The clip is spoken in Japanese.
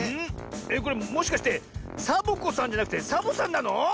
これもしかしてサボ子さんじゃなくてサボさんなの？